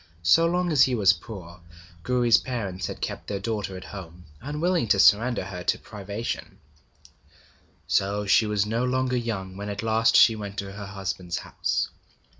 So long as he was poor, Gouri's parents had kept their daughter at home, unwilling to surrender her to privation; so she was no longer young when at last she went to her husband's house.